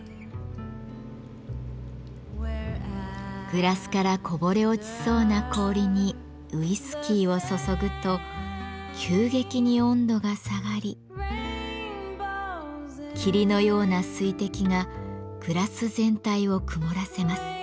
グラスからこぼれ落ちそうな氷にウイスキーを注ぐと急激に温度が下がり霧のような水滴がグラス全体を曇らせます。